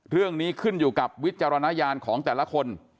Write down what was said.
เรื่องนี้ขึ้นอยู่กับวิจารณญาณของแต่ละคน